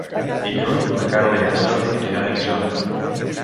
Dilluns na Carla i en Jordi aniran a Guissona.